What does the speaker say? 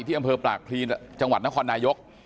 ที่อำเภอปรากฎีจังหวัดนครนายศ์